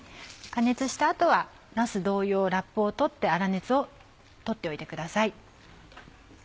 加熱した後はなす同様ラップを取って粗熱を取っておいてください。